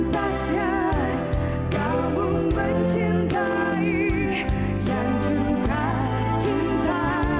pintasnya kamu mencintai yang juga cintai dirimu